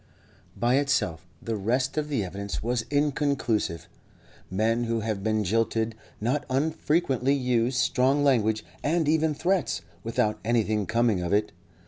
By itself, the rest of the evidence was inconclusive. Men who have been jilted not unfrequently use strong language, and even threats, without anything coming of it.